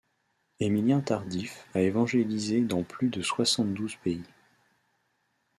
Émilien Tardif a évangélisé dans plus de soixante-douze pays.